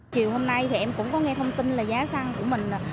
chiều hôm nay thì em cũng có nghe thông tin là giá xăng của mình